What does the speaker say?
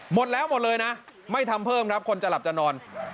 หมดแล้วหมดเลยนะไม่ทำเพิ่มครับคนจะหลับจะนอน